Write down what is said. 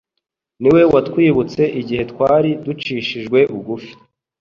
Ni we watwibutse igihe twari ducishijwe bugufi